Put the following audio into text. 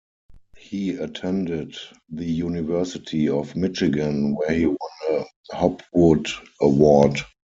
He attended the University of Michigan, where he won a Hopwood Award.